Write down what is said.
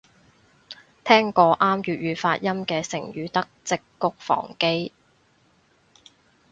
聽過啱粵語發音嘅成語得織菊防基